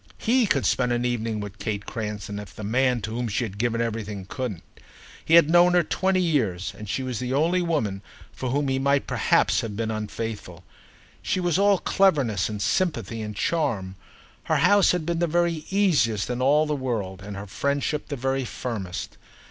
He could spend an evening with Kate Creston, if the man to whom she had given everything couldn't. He had known her twenty years, and she was the only woman for whom he might perhaps have been unfaithful. She was all cleverness and sympathy and charm; her house had been the very easiest in all the world and her friendship the very firmest.